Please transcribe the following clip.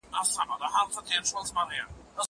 زه شګه پاک کړی دی!!